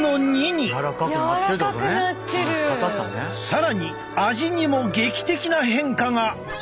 更に味にも劇的な変化が！